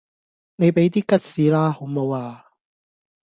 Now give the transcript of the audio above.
你俾啲吉士啦好無呀